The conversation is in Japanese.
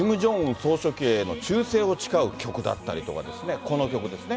総書記への忠誠を誓う曲だったりとかですね、この曲ですね。